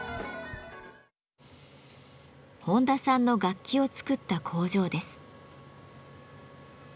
本多さんの楽器を作った工場です。